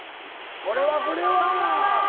これはこれは。